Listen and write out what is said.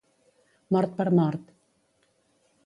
Mort per mort.